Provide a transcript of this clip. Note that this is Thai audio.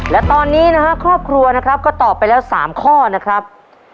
และตอนนี้นะครับครอบครัวนะครับก็ตอบไปแล้ว๓ข้อนะครับ